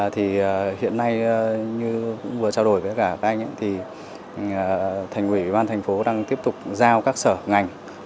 thì hiện nay như vừa trao đổi với các anh thì thành ủy ủy ban thành phố đang tiếp tục giao các sở ngành